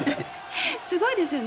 すごいですよね。